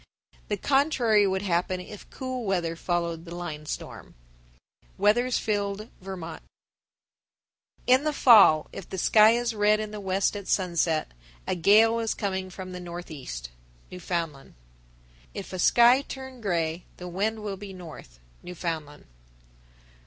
The contrary would happen if cool weather followed the line storm. Weathersfield, Vt. 1064. In the fall, if the sky is red in the west at sunset, a gale is coming from the northeast. Newfoundland. 1065. If a sky turn gray, the wind will be north. _Newfoundland.